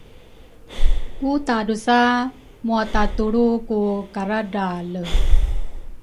ku tadursa muatatulru ku karadrale.